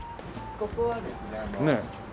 ここはですね